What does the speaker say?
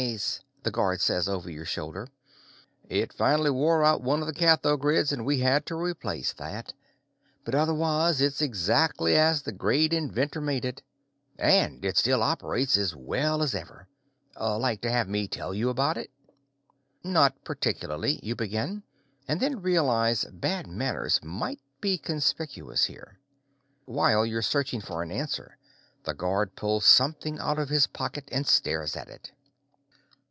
"Nice," the guard says over your shoulder. "It finally wore out one of the cathogrids and we had to replace that, but otherwise it's exactly as the great inventor made it. And it still operates as well as ever. Like to have me tell you about it?" "Not particularly," you begin, and then realize bad manners might be conspicuous here. While you're searching for an answer, the guard pulls something out of his pocket and stares at it.